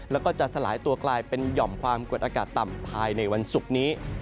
แล้วก็จะสลายตัวกลายเป็นหย่อมความกดอากาศต่ำภายในวันศุกร์นี้